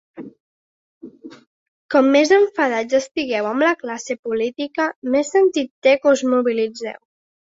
Com més enfadats estigueu amb la classe política, més sentit té que us mobilitzeu.